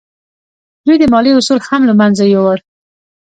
دوی د مالیې اصول هم له منځه یوړل.